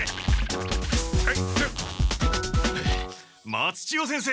松千代先生